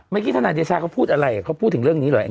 ทนายเดชาเขาพูดอะไรเขาพูดถึงเรื่องนี้เหรอ